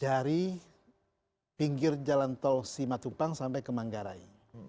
dari pinggir jalan tol simatupang sampai ke manggarai